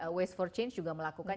jadi waste for change juga melakukan